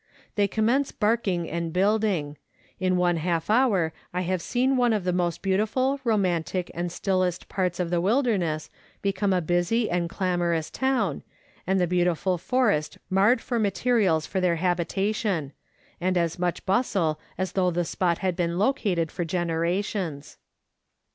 They commence barking and building ; in one half hour' I have seen one of the most beautiful, romantic, and stillest parts of the wilderness become a busy and clamorous town, and the beauti ful forest marred for materials for their habitation, and as much bustle as though the spot had been located for generations.